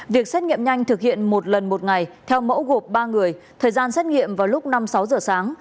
việc xét nghiệm nhanh thực hiện một lần một ngày theo mẫu gộp ba người thời gian xét nghiệm vào lúc năm sáu giờ sáng